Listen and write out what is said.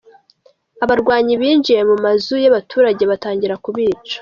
Abarwanyi binjiye mu mazu y’abaturage batangira kubica.